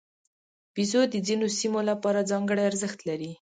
بیزو د ځینو سیمو لپاره ځانګړی ارزښت لري.